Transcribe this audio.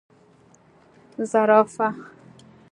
🦒 زرافه